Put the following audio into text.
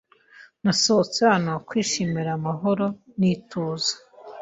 Nasohotse hano kwishimira amahoro n'ituze.